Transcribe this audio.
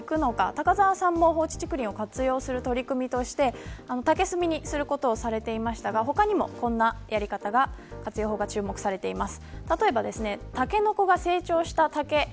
高澤さんも放置竹林を活用する取り組みとして竹炭にすることをされていますとか他にもこんなやり方が注目されています。